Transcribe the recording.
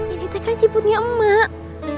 ini takkan sibutnya emak